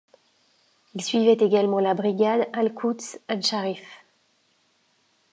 Il suivait également la brigade Al-Quds Al-Sharif.